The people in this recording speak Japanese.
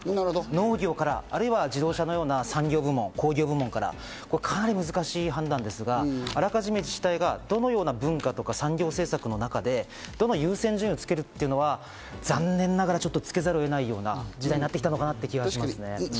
農業からあるいは自動車のような産業部門、工業部門から、かなり難しい判断ですが、あらかじめ自治体がどのような文化とか産業政策の中でどの優先順位をつけるかというのは残念ながらつけざるを得ないような時代になってきたのかなという気がしますね。